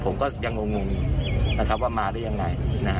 ผมก็ยังงงว่ามาได้ยังไง